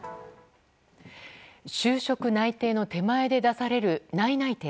就職内定の手前で出される内々定。